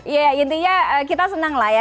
iya intinya kita senang lah ya